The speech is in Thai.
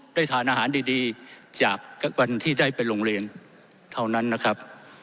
ได้ทานอาหารดีจากวันที่ได้ไปโรงเรียนเท่านั้นนะครับ